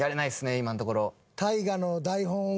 今のところ。